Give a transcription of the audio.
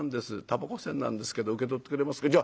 たばこ銭なんですけど受け取ってくれますか」。